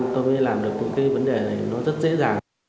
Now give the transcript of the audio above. tôi mới làm được những cái vấn đề này nó rất dễ dàng